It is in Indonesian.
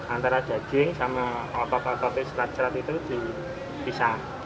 antara daging sama otot ototnya serat serat itu dipisah